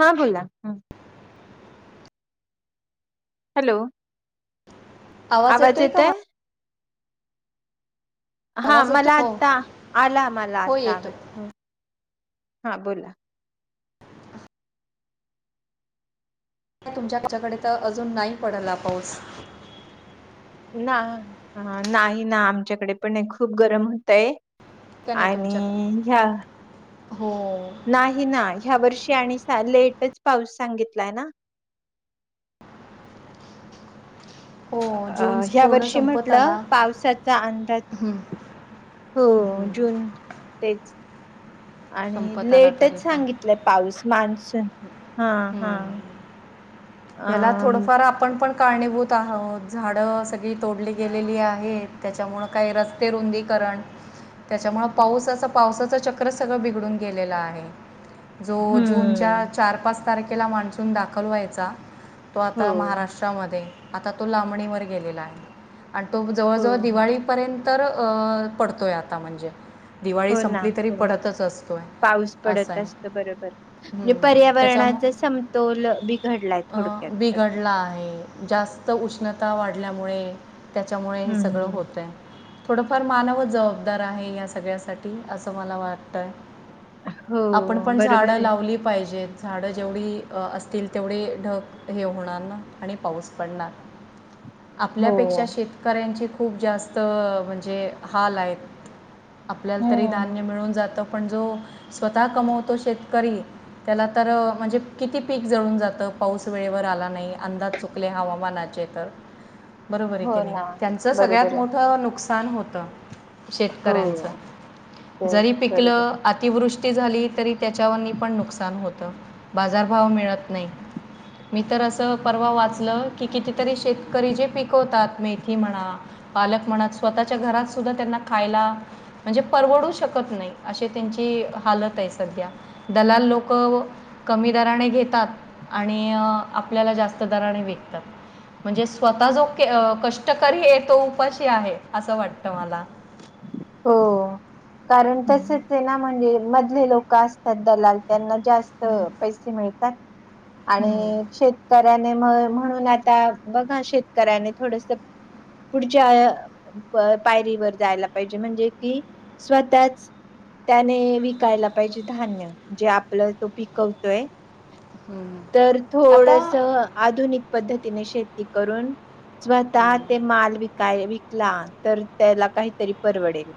हा बोला ह हॅलो आवाज येतोय का मझा हा आवाज येतो मला हो आता आला मला हो आता येतो आवाज ह हा बोला ह तुमच्या कडे तर अजून नाही पडला पाऊस ना नाही ना आमच्याकडे पण खूप गरम होतय का नाही आणि तुमच्याकडे ह्या हो नाही ना ह्या वर्षी या साली लेटच पाऊस सांगितलाय ना हो अ जून ह्या पूर्ण वर्षी संपत म्हटलं आला पावसाचा अंदाज हम्म. हो हम्म. जून तेच आणि संपत आला तरी लेटच पण सांगितलंय पाऊस मान्सून हा हा हम्म. याला आ थोडंफार आपण पण कारणीभूत आहोत झाडं सगळी तोडली गेलेली आहेत त्याच्यामुळे काही रस्ते रुंदीकरण त्याच्यामुळे पाऊसाच पावसच चक्र सगळं बिघडलं उडून गेलेला आहे जो जूनच्या हम्म चार पाच तारखेला मान्सून दाखल व्हायचा तो हो आता महाराष्ट्रामध्ये आता तो लांबणीवर गेलेला आहे आणि तो हो जवळजवळ दिवाळीपर्यंत तर पडतोय आता म्हणजे दिवाळी हो ना संपली तरी हो पडतच असते पाऊस पडत असत बरोबर म्हणजे त्याच्यामुळं पर्यावरणाचा समतोल बिघडलाय थोडक्यात असं स्ता वाढल्यामुळे त्याच्यामुळे हे सगळं हम्म. होतय थोडंफार मानवच जबाबदार आहे या सगळ्यासाठी असं मला वाटतं आहे हो आपण पण बरोबर झाडं आहे. लावली पाहिजेत झाडं जेवढी असतील तेवढे ढक हे होणार ना आणि पाऊस पडणार हो आपल्यापेक्षा शेतकऱ्यांची खूप जास्त म्हणजे हाल आहेत आपल्याला तरी हम्म. धान्य मिळून जात पण जो स्वतः कमवतो शेतकरी त्याला तर म्हणजे किती पीक जळून जातं पाऊस वेळेवर आला नाही अंदाज चुकले हवामानाचे तर बरोबर आहे हो की नाही ना त्यांचं सगळ्यात बरोबर आहे मोठं नुकसा नुकसान होतं. हो शेतकऱ्यांच. तेच जरी पिक बरोबर आहे अतिवृष्टी. झाली तरी त्याच्यावर पण नुकसान होतं बाजारभाव मिळत नाही मी तर असं परवा वाचलं. कि कितीतरी शेतकरी जे पिकवतात मेथी म्हणा. पालक म्हणत स्वतःच्या घरात सुद्धा त्यांना खायला म्हणजे परवडू शकत नाही. अशी त्यांची हालत आहे सध्या. दलाल लोक कमी दराने घेतात आणि आपल्याला जास्त दराने विकतात. म्हणजे स्वतः जो कष्टकरी आहे तो उपाशी आहे असं वाटत मला. हो. कारण हम्म, तसेच हे ना म्हणजे. मधले लोक असतात दलाल त्यांना. जास्त हम्म. पैसे मिळत. का. हं. आणि शेतकऱ्याने म. म्हणून आता बघा शेतकऱ्याने थोडस पुढच्या प पायरीवर जायला. जे म्हणजे कि स्वतःच त्याने विकायला पाहिजे धान्य जे आपलं तो पिकवतोय. हम्म. तर आता थोडस हम्म. आधुनिक पद्धतीने शेती. करून. स्वतः ते माल विकाय विक. ला तर त्याला काही. तरी परवडेल.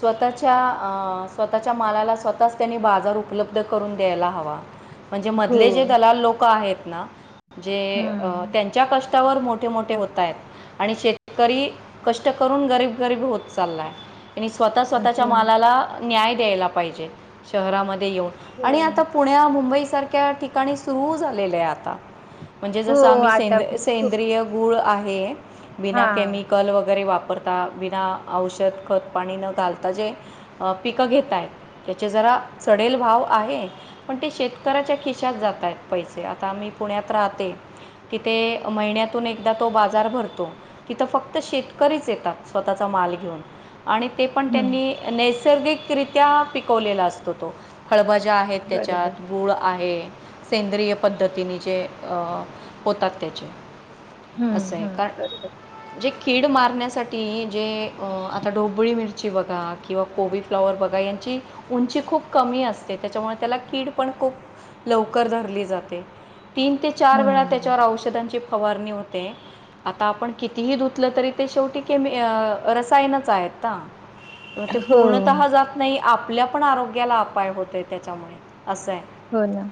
स्वतःच्या अ स्वतःच्या मालाला स्वतःच त्यांनी बाजार उपलब्ध करून द्यायला हवा. म्हणजे हो मधले जे दलाल लोक आहेत. ना. जे हम्म त्यांच्या कष्ट. तवर मोठे मोठे होत आहेत आणि शेतकरी कष्ट करून गरीब गरीब होत चाललाय. आणि स्वतः स्वतःच्या हो मालाला. न्याय द्यायला पाहिजे शहरामध्ये. येऊन हो आणि आता पुण्या, मुंबई सारख्या. सारख्या ठिकाणी सुरू झालेलं आहे आता. म्हणजे हो जसं आम्ही आता सेंद खूप सेंद्रिय गुळ आहे. हे. हा बिना केमिकल वगैरे वापर. वापरता बिना औषध खत. पाणी न घालता जे पिकं घेतायत त्याचे जरा चडेल भाव आहे. पण ते शेतकऱ्याच्या खिशात जाता आहेत पैसे. आता आम्ही पुण्यात राहते तिथे महिन्यातून एकदा तो बाजार भरतो तिथं फक्त शेतकरीच येतात स्वतःचा माल घेऊन. आणि ते पण हम्म त्यांनी नेस. नैसर्गिक रित्या पिकवलेला असतो तो फळभाज्या ज्या आहेत बरोबर त्याच्यात गूळ आहे सेंद्रिय पद्धतीने जे होतात त्याचे हम्म असं आहे हम्म कार बरोबर जे कीड मारण्यासाठी जे अ आता ढोबळी मिरची बघा किंवा कोबी फ्लाॉवर बघा यांची उंची खूप कमी असते त्याच्यामुळे त्याला कीड पण खूप लवकर धरली जाते तीन ते चार वेळा हम्म त्याच्यावर औषधांची फवा फवारणी होते आता आपण किती ही धुतलं तरी ते रसायन सहायता म ते हो पूर्णतः ही जात नाही आपल्या पण आरोग्याला अपाय होतोय त्याच्यामुळे असं आहे हो ना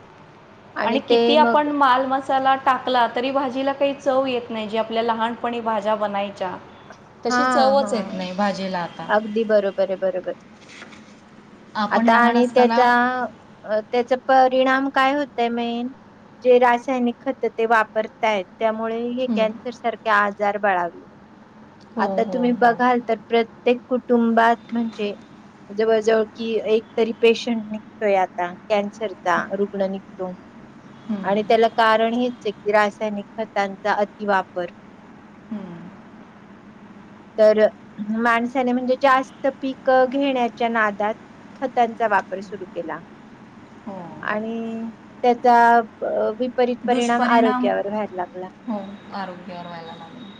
आणि ते किती मग आपण माल मस् मसाला टाकला तरी भाजीला काही चव येत नाही जे आपल्या लहानपणी भाज्या बनायच्या हा तशी हा चवच येत नाही भाजीला आता अगदी बरोबर आहे बरोबर आपण आता लहान आणि असताना त्याचा त्याचा परिणाम काय होतय मेन जे रासायनिक खतं ते वापरताय त्यामुळे हे हं, कॅन्सर सारखे आजर हजार बाळावले हो आता हो तुम्ही हो बघाल तर प्रत्येक कु. कुटुंबात म्हणजे जवळ जवळ. कि एकतरी पेशंट निघतोय आता कॅन्सरचा रुग्ण निघतो हं, आणि त्याला कारण हेच. रासायनिक खतांचा अतिवापर हम्म तर माणसाने म्हणजे जास्त पक घेण्याच्या नादात खतांचा वापर सुरू केला हो आणि त्याचा विपरीत परिणाम दुष्परिणाम आरोग्यावर व्हायला लागला हो आरोग्यावर व्हायला लागले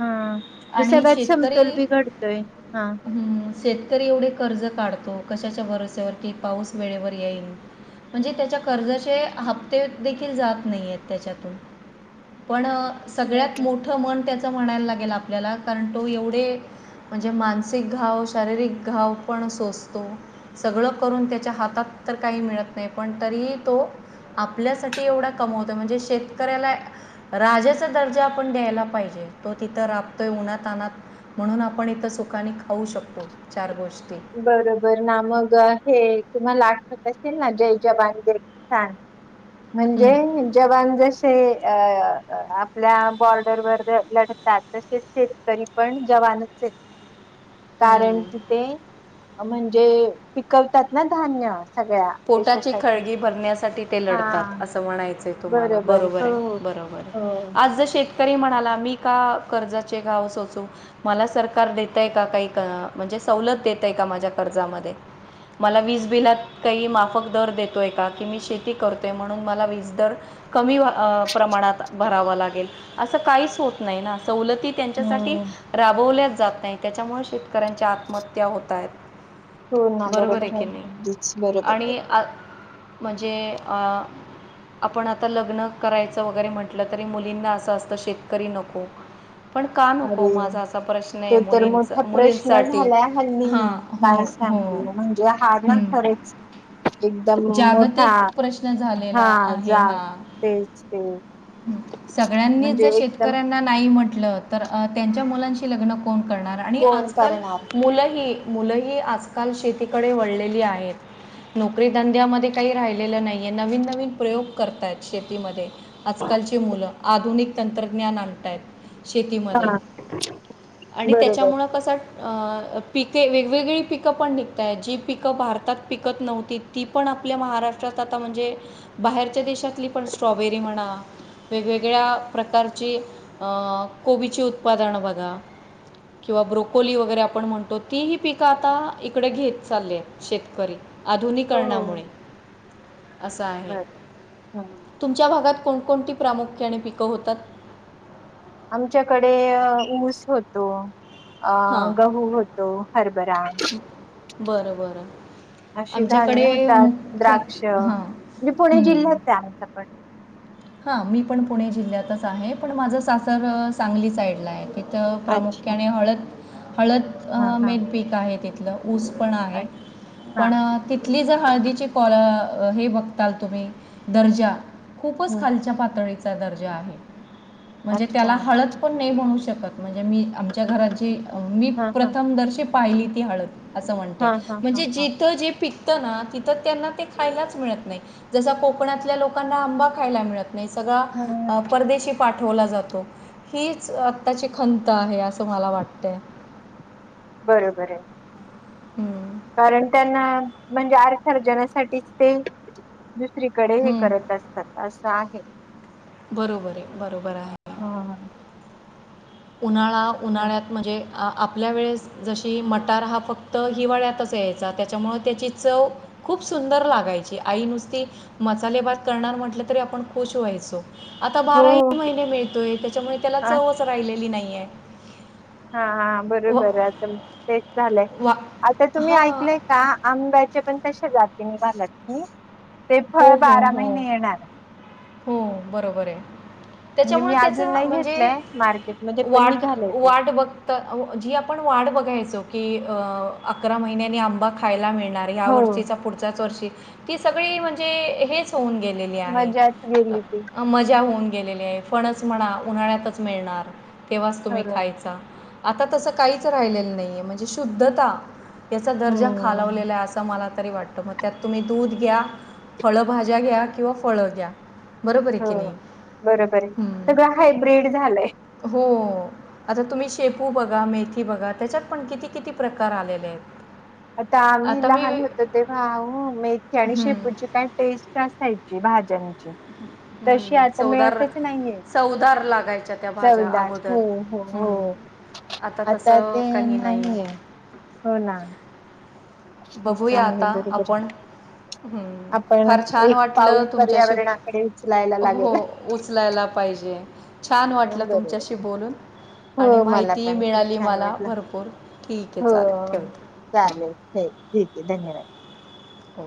हा म्हणजे आणि सगळ्यात शेतकरी समतोल बिघडतोय हा. हं, शेतकरी एवढे कर्ज काढतो कशाच्या भरोस्यावरती पाऊस वेळेवर येईन म्हणजे त्याच्या कर्जाचे हप्ते. देखील जात नाही आहेत त्याच्यातून पण. सगळ्यात हम्म, मोठ म त्या म्हणायला लागेल आपल्याला कारण तो एवढे म्हणजे मानसिक घाव शारीरिक घाव पण सोचतो सगळं करून त्याच्या हातात तर काही मिळत नाही पण तरीही तो आप आपल्यासाठी एवढा कमवतोय म्हणजे शेतकऱ्याला राजाचा दर्जा आपण द्यायला पाहिजे तो तिथं राबतोय उन्हात आणनात म्हणून आपण इथं सुखनी खाऊ शकतो चार गोष्टी बरोबर ना मग हे. तुम्हाला आठवत असेल ना जय जबांगे सांग. हं. म्हणजे जवन ज अ आपल्या बॉर्डरवर लढतात तसेच शेतकरी पण जवानच आहेत हम्म. कारण कि ते म्हणजे पिकवतात ना धान्य. सगळ्या पोटाची देशासाठी खळगी भरण्यासाठी ते हा लढतात असं म्हणायचे तुम्हाला बरोबर आहे बरोबर हो हो आहे. शेतकरी म्हणा मी का कर्जाचे गाव सोच मला सरकार देतय का काही म्हणजे सवलत देतय का माझ्या कर्जामध्ये म वीज बिलात काही माफक दर देतो आहे का की मी शेती करतो आहे म्हणून मला वीज दर कमी प्रमाणात भरावं लागेल असं काहीच होत नाही ना असं. सव त्यांच्यासाठी हम्म राबवल्या जात नाही त्याच्यामुळे शेतकऱ्यांची आत्महत्या होत आहेत होू ना बरोबर बरोब आहे की नाही आणि आ म्हणजे आपण आता लग्न करायचं वगैरे म्हटलं तरी मुलींना असं असतं शेतकरी नको पण का अरे नको माझा असा प्रश्न आहे तो तर मुलींचा मोठा प्रश्न मुलींसाठी झालाय हल्नी हां हो काय हो सांगू म्हणजे हा ना हं. खर जागतिक प्रश्न हा झालेला आहे जाग हा तेच ते सगळ्यांनी म्हणजे जर एकदम शेतकऱ्यांना नाही म्हट त्यांच्या मुलां लण करणार आणि कोण आजकाल करणार मुलंही मुलंही आजकाल शेतीकडे वळलेली आहेत. नोकरीधंद्यामध्ये काही राहिलेलं नाहीये नवीन नवीन प्रयोग करताय शेतीमध्ये आजकालची मुलं आधुनिक तंत्रज्ञान आणतायत शेतीमधे हा आणि बरोबर त्याच्यामुळं कसं आ अ पिके वेगवेगळी पिकं पण निघत आहेत जी पिकं भारतात पिकत नव्हतीत ती पण आपल्या महाराष्ट्रात आता म्हणजे बाहेरच्या देशातली पण स्ट्रॉबेरी म्हणा वेगवेगळ्या प्रकारची अ, कोबीची उत्पादनं बघा किंवा ब्रोकोली वगैरे आपण म्हणतो तीही पिकं आता इकडे घेत चालली आहेत शेत करी. हो आधुनिकरणामुळे असं आहे बर हम्म तुमच्या भागात कोणकोणती प्रामुख्याने पिक क होतात. आमच्याकडे अ ऊस होतो. अ हां गहू होतो हरभ भरा बरं बरं अशी धान्य आमच्याकडे होतात. मुख्य द्राक्ष हां म्हजे पुणे जिल्हाच आहे. आमचा पण हा मी पण पुणे जिल्ह्यातच आहे पण माझं सासर सांगली साईडला आहे थ अच्छा प्रामुख्याने हळद हळद हा हा मेद पीक आहे तिथं ऊस पण आहे अच्छा पण तिथली जर हळदी चि फाॅर अ हे बघता तुम्ही दर्जा हम्म खालच्या पातळीच चा दर्जा आहे म्हणजे अच्छा त्याला हळद पण नई म्हणू शकत त म्हणजे मी आमच्या घरातची मी हा हा प्रथम दर्शे पाहिली ती हळद. असं म्हणते हा हा हा म्हणजे हा जिथं जे पिक ना तिथ त्यांना ते खायलाच मिळत नाही जस कोकणातल्या लोकांना आंबा खायला मिळत सगळा अ हम्म परदेशी पाठ ठेवला जातो हीच आत्ताची खंत आहे असं मला वाटत बरोबर आहे हम्म. कारण त्यांना अ म्हणजे आर र्थर जनासाठीच ते दुसरीकडे हे हम्म. करत असतात असं आहे. बरोबर आहे बरोबर आहे. हा उन्हाळा उन्हाळ्यात म्हणजे आपल्या वेळेस जशी मटार हा फक्त हिवाळ्यातच यायचा त्याच्यामुळं त्याची चव खूप सुंदर लागायची आई नुसती मसाले भात करणार म्हटलं तरी आपण खुश व्हायचो. आता हो बाराही महिने मिळतोय त्याच्यामुळे त्याला हा चवच राहिलेली ली नाहीये. हा हा बरोबर आज आता झालंय वा आता तुम्ही हां ऐकलय का आंब्याचे पण अशी जाती निघाल्यात की ते फळ हो हो बारा हो महिने येणार हो बरोबर आहे. म्हणजे त्याच्यामुळे मी त्याचा अजून नाही म्हणजे घेतलंय मार्केटमध्ये पण वाट निघालय ते वाट बघता जी आपण वाट बघायचो. कि अ अकरा महिन्यानी आंबा खायला मिळ नार ह्या हो वर्षीचा पुढच्याच वर्षी की सगळी म्हणजे हेच होऊन गेलेली आहे. मजाच गेली ती मजा होऊन गेलेली आहे फणस म्हणा उन्हाळ्यातच मिळणार तेव्हाच तुम्ही हो खायचा. आता तसं काहीच राहिलेलं नाही आहे म्हणजे शुद्धता याचा दर्जा हम्म खालावलेला आहे असा मला त तरी वाटत मग त्यात तुम्ही दूध घ्या, फळभाज्या घ्या किंवा फळ घ्या. बरोबर आहे हो की नाही? बरोबर आहे हं. सगळं हायब्रीड झालंय. हो. आता तुम्ही शेपू बघा, मेथी बघा त्याच्यात पण किती किती प्रकार आलेले आहेत. आता आम्ही आता मी लहान होतो तेव्हा हो मेथी आणि हं. शेपूची काय टेस्ट असायची. जी भाज्या तशी हं, आता चवदार मिळतच नाहीये चवदार लागायच्या त्या भाज्या चौदा अगोदर हो हो हं, हो आता तसं ते काही नाही नाहीये आहे हो ना असं बघूया आहे आता बरोबर आपण हम् आपण फार छान एक वाटलं पाऊल तुमच्याशी पर्यावरणाकडे उचलायला हो लागेल. उचलायला पाहिजे. छान वाटलं तुमच्याशी बोलून आणि हो मला माहिती पण खूप मिळाली छान मला वाटलं भरपूर ठीक आहे हो चालू ठेवते ह चालेल ठीक आहे धन्यवाद हो.